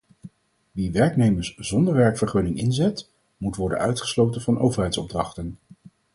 Wie werknemers zonder werkvergunning inzet, moet worden uitgesloten van overheidsopdrachten.